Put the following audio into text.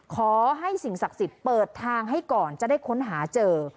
ขอให้สิ่งศักดิ์สิทธิ์เปิดทางให้ก่อนจะได้ค้นหาเจอ